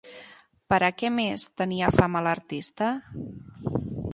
Per a què més tenia fama l'artista?